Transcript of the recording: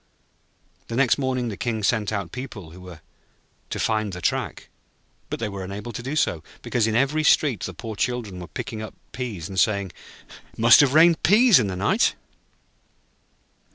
The next morning the King sent out people who were to find the track; but they were unable to do so, because in every street the poor children were picking up peas, and saying: 'It must have rained peas in the night.'